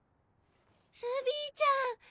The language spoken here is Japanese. ルビィちゃん！